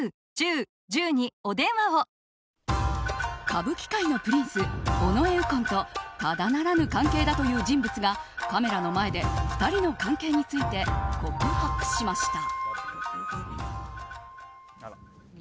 歌舞伎界のプリンス尾上右近とただならぬ関係だという人物がカメラの前で２人の関係について告白しました。